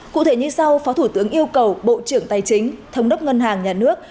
cụ thể như sau phó thủ tướng yêu cầu bộ trưởng tài chính thống đốc ngân hàng nhà nước